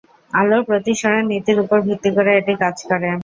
আলোর প্রতিসরণ নীতির উপর ভিত্তি করে এটি কাজ করে।